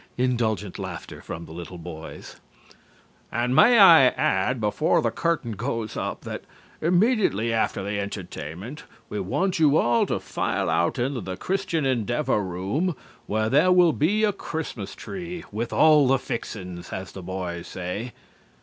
(Indulgent laughter from the little boys). And may I add before the curtain goes up that immediately after the entertainment we want you all to file out into the Christian Endeavor room, where there will be a Christmas tree, 'with all the fixin's,' as the boys say."